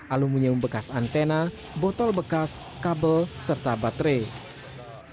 aluminium bekas antena botol bekas kabel serta baterai